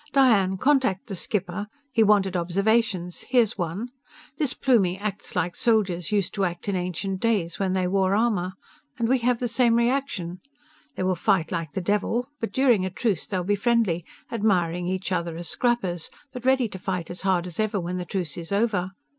"Diane! Contact the skipper. He wanted observations. Here's one. This Plumie acts like soldiers used to act in ancient days when they wore armor. And we have the same reaction! They will fight like the devil, but during a truce they'll be friendly, admiring each other as scrappers, but ready to fight as hard as ever when the truce is over.